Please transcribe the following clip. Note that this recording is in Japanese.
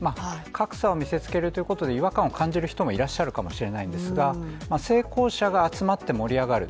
格差を見せつけるということで違和感を感じる人もいらっしゃるかもしれないんですが成功者が集まって盛り上がる。